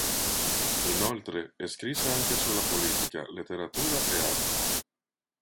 Inoltre, scrisse anche sulla politica, letteratura e arte.